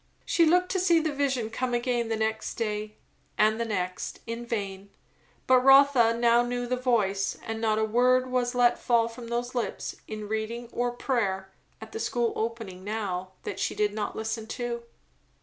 She looked to see the vision come again the next day, and the next; in vain; but Rotha now knew the voice; and not a word was let fall from those lips, in reading or prayer, at the school opening now, that she did not listen to.